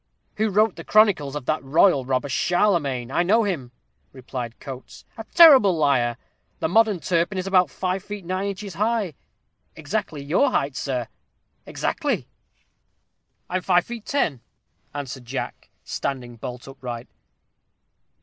"Who wrote the chronicles of that royal robber Charlemagne; I know him," replied Coates "a terrible liar! The modern Turpin 'is about five feet nine inches high' exactly your height, sir exactly!" "I am five feet ten," answered Jack, standing bolt upright.